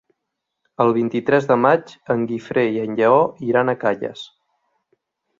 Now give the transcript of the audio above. El vint-i-tres de maig en Guifré i en Lleó iran a Calles.